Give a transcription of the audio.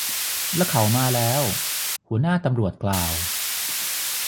และเขามาแล้ว หัวหน้าตำรวจกล่าว